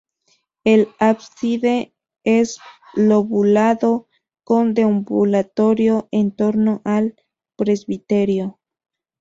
El ábside es lobulado, con deambulatorio en torno al presbiterio.